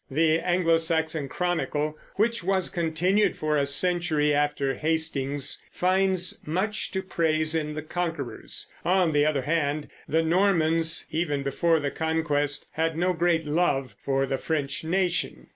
The Anglo Saxon Chronicle, which was continued for a century after Hastings, finds much to praise in the conquerors; on the other hand the Normans, even before the Conquest, had no great love for the French nation.